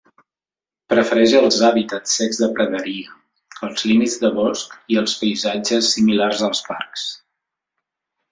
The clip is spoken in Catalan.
Prefereix els hàbitats secs de praderia, els límits de bosc i els paisatges similars als parcs.